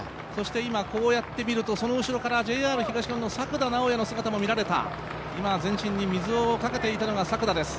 こうやって見ると、ＪＲ東日本の作田直也の姿も見られた、今全身に水をかけていたのが作田です。